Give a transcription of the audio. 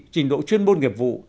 trình độ chuyên môn nghiệp vụ